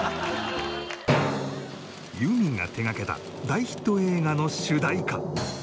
ユーミンが手掛けた大ヒット映画の主題歌